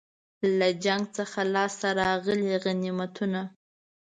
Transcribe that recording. له جنګ څخه لاسته راغلي غنیمتونه.